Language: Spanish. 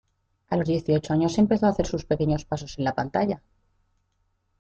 A los dieciocho años empezó a hacer sus pequeños pasos en la pantalla.